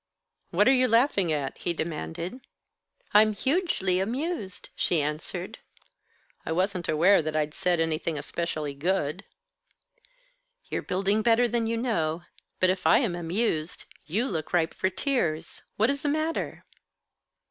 "What are you laughing at?" he demanded. "I'm hugely amused," she answered. "I wasn't I aware that I'd said anything especially good." "You're building better than you know. But if I am amused, you look ripe for tears. What is the matter?"